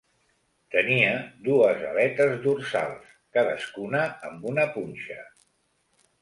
Tenia dues aletes dorsals, cadascuna amb una punxa.